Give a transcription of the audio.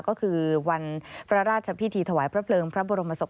ก็คือวันพระราชพิธีถวายพระเพลิงพระบรมศพ